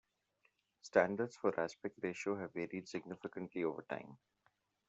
Standards for aspect ratio have varied significantly over time.